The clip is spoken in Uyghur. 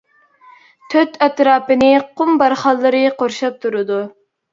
تۆت ئەتراپىنى قۇم بارخانلىرى قورشاپ تۇرىدۇ.